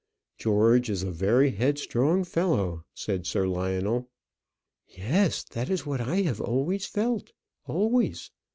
"George is a very headstrong fellow," said Sir Lionel. "Yes, that is what I have always felt; always.